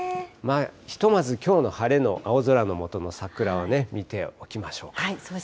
ひとまずきょうの晴れの青空の下の桜は見ておきましょうか。